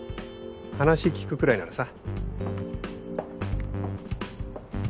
話聞くくらいならさ。